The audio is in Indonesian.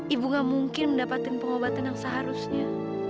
ibu gak mungkin mendapatkan pengobatan yang seharusnya